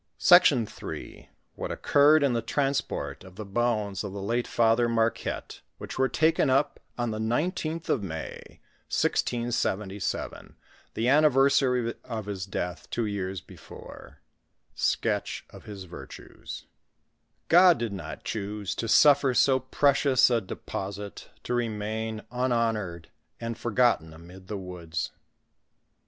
SECTION III. WBAT OCCVBRED Of TSE TRASSPORT OF THB BOlfXS OF THE LATE TATBEB MARqUETTB, WHICH WERE TAKES VP OS THE 19TB OF MAY, l«n, THE AtfNh VER8ARV OF BIS DEATH TWO YEARS BEFORE.— SKETCH OF HIS VIRTUES. Gk)D did not choose to suffer so precious a deposite to remain unhonored and forgotten amid the woods.